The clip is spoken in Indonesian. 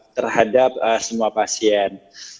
terhadap semua pasien